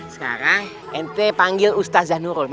sekarang ente panggil ustazah nurul